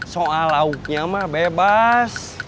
soal lauknya mah bebas